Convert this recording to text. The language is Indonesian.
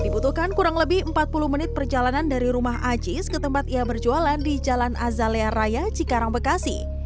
dibutuhkan kurang lebih empat puluh menit perjalanan dari rumah aziz ke tempat ia berjualan di jalan azalea raya cikarang bekasi